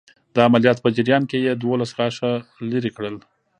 د عملیات په جریان کې یې دوولس غاښه لرې کړل.